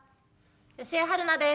吉江晴菜です。